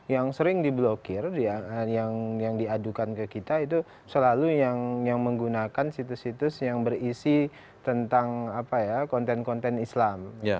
yang sering diblokir yang diadukan ke kita itu selalu yang menggunakan situs situs yang berisi tentang konten konten islam